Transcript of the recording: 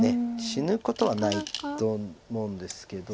死ぬことはないと思うんですけど。